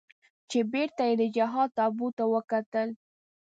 چې بېرته یې د جهاد تابوت ته وکتل.